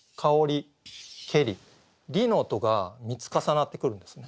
「り」の音が３つ重なってくるんですね。